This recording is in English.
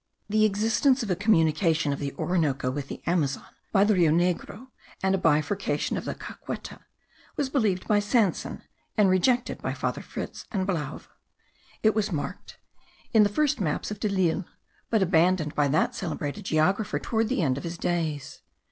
The existence of a communication of the Orinoco with the Amazon by the Rio Negro, and a bifurcation of the Caqueta, was believed by Sanson, and rejected by Father Fritz and by Blaeuw: it was marked in the first maps of De l'Isle, but abandoned by that celebrated geographer towards the end of his days.